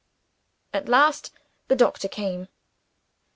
At last, the doctor came.